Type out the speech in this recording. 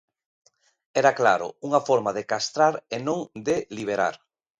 Era, claro, unha forma de castrar e non de liberar.